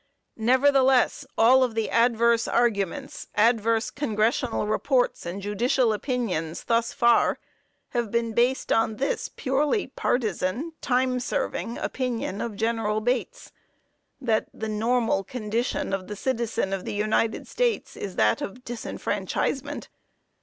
Nevertheless, all of the adverse arguments, adverse congressional reports and judicial opinions, thus far, have been based on this purely partisan, time serving opinion of General Bates, that the normal condition of the citizen of the United States is that of disfranchisement.